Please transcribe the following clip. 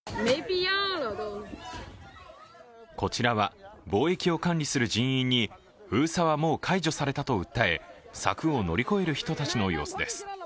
こちらは防疫を管理する人員に封鎖はもう解除されたと訴え柵を乗り越える人たちの様子です。